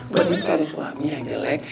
bagi cari suami yang jelek